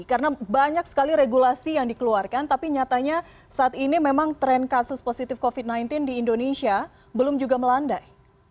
karena banyak sekali regulasi yang dikeluarkan tapi nyatanya saat ini memang tren kasus positif covid sembilan belas di indonesia belum juga melandai